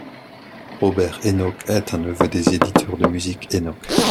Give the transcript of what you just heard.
Robert Enoch est un neveu des éditeurs de musique Enoch.